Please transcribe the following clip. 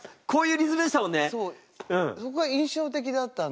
そうそこが印象的だったんで。